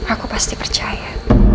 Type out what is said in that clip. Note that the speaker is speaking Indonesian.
aku pasti percaya